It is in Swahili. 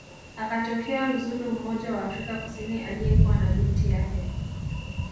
akatokea mzulu mmoja wa Afrika kusini aliyekuwa na binti yake